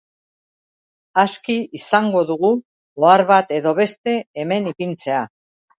Aski izango dugu ohar bat edo beste hemen ipintzea